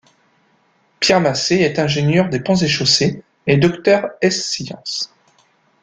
Pierre Massé est ingénieur des ponts et chaussées et docteur ès sciences.